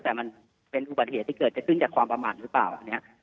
แต่มันเป็นอุบัติเหตุที่เกิดจะขึ้นจากความประมาทหรือเปล่าอันนี้